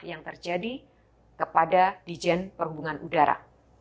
yang terjadi kepada di jen perhubungan udara